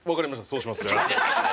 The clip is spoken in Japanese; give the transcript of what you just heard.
そうします。